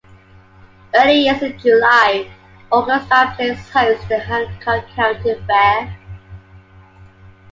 Every year in July, Augusta plays host to the Hancock County Fair.